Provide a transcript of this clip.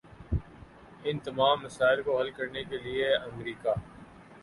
ان تمام مسائل کو حل کرنے کے لیے امریکہ